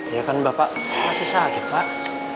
ya kan bapak masih sakit pak